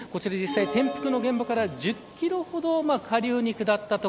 転覆の現場から１０キロほど下流に下った所